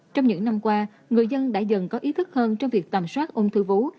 trong những năm qua người dân đã dần có ý thức hơn trong việc tầm soát ông thư vũ